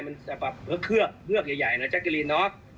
มันแบบเฮือกเฮือกใหญ่เนาะจ๊ะกะลินเนาะ